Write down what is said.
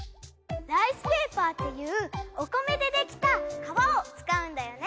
ライスペーパーっていうお米でできた皮を使うんだよね。